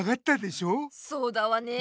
「そうだわねえ」。